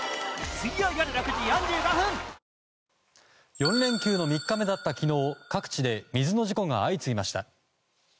４連休の３日目だった昨日各地で水の事故が相次ぎました。